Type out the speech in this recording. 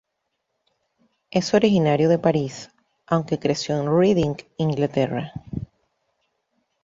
Es originario de París, aunque creció en Reading, Inglaterra.